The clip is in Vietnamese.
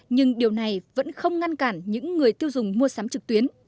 nhưng điều này vẫn không ngăn cản những người tiêu dùng mua sắm trực tuyến